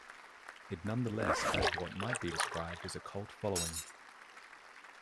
It nonetheless has what might be described as a cult following.